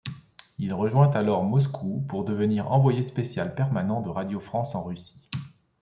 Il rejoint alors Moscou, pour devenir Envoyé spécial permanent de Radio France en Russie.